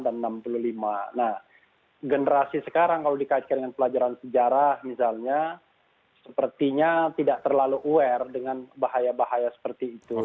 nah generasi sekarang kalau dikaitkan dengan pelajaran sejarah misalnya sepertinya tidak terlalu aware dengan bahaya bahaya seperti itu